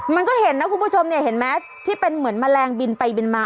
มันก็เห็นนะคุณผู้ชมเนี่ยเห็นไหมที่เป็นเหมือนแมลงบินไปบินมา